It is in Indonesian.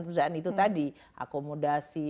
perusahaan itu tadi akomodasi